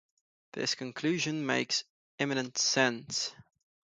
This conclusion makes eminent sense.